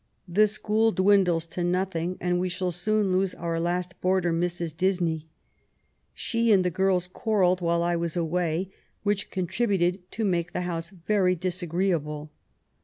The school dwindles to nothing, and we shall soon lose our last boarder, Mrs. Disney. She and the girls quarrelled while I was away, which contributed to make the house very disagreeable.